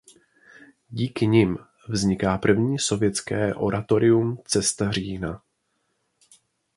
Díky nim vzniká první sovětské oratorium Cesta Října.